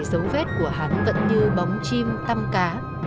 dấu vết của hắn vẫn như bóng chim tăm cá